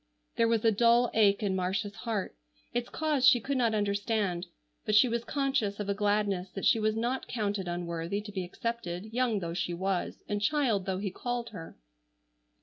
There was a dull ache in Marcia's heart, its cause she could not understand, but she was conscious of a gladness that she was not counted unworthy to be accepted, young though she was, and child though he called her.